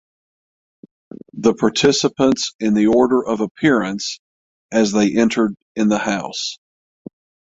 The participants in the order of appearance as they entered in the house.